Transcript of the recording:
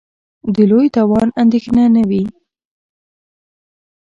د لوی تاوان اندېښنه نه وي.